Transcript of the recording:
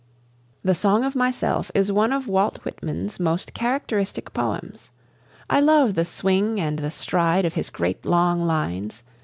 "The Song of Myself" is one of Walt Whitman's (1819 92) most characteristic poems. I love the swing and the stride of his great long lines.